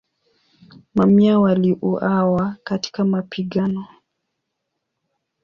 Mamia waliuawa katika mapigano.